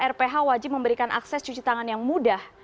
rph wajib memberikan akses cuci tangan yang mudah